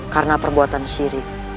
karena perbuatan syirik